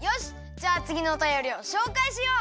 じゃあつぎのおたよりをしょうかいしよう。